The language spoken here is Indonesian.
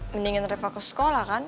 mendingan revo ke sekolah kan